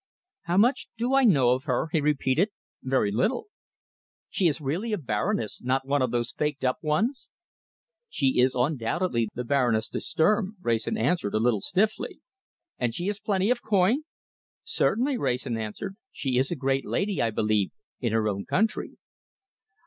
"How much do I know of her?" he repeated. "Very little." "She is really a Baroness not one of these faked up ones?" "She is undoubtedly the Baroness de Sturm," Wrayson answered, a little stiffly. "And she has plenty of coin?" "Certainly," Wrayson answered. "She is a great lady, I believe, in her own country."